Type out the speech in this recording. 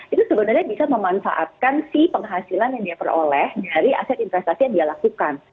itu sebenarnya bisa memanfaatkan si penghasilan yang dia peroleh dari aset investasi yang dia lakukan